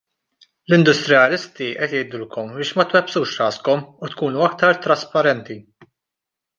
L-industrijalisti qed jgħidulkom biex ma twebbsux raskom u tkunu aktar trasparenti.